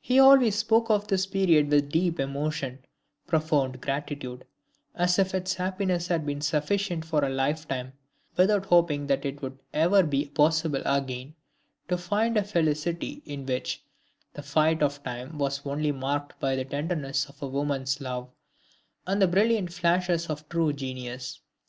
He always spoke of this period with deep emotion, profound gratitude, as if its happiness had been sufficient for a life time, without hoping that it would ever be possible again to find a felicity in which the fight of time was only marked by the tenderness of woman's love, and the brilliant flashes of true genius.